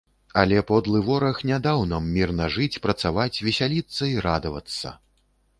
Але подлы вораг не даў нам мірна жыць, працаваць, весяліцца і радавацца.